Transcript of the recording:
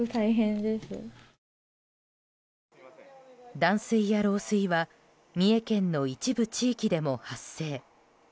断水や漏水は三重県の一部地域でも発生。